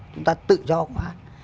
chúng ta tự do quá